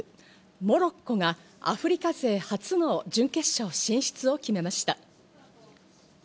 モロッコがアフリカ勢初の準決勝進出を決めました。